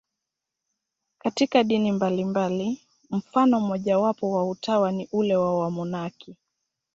Katika dini mbalimbali, mfano mmojawapo wa utawa ni ule wa wamonaki.